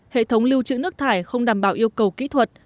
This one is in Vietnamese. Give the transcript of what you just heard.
hệ thống lưu trữ nước thải không đảm bảo yêu cầu kỹ thuật